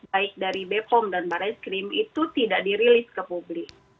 baik dari bepom dan barai skrim itu tidak dirilis ke publik